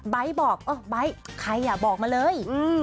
ไบ้บอกแบบไบ้ใครบอกมาเลย